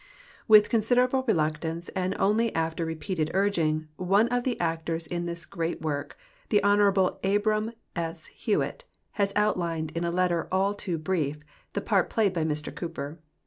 With considerable reluctance, and onl}" after repeated urging, one of the actors in this great work, the Honorable Abram S. Hewitt, has outlined, in a letter all too brief, the i»art played b}" Mr Cooper.